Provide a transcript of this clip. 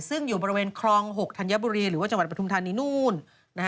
ซึ่งอยู่บริเวณคลอง๖ธัญบุรีหรือว่าจังหวัดปทุมธานีนู่น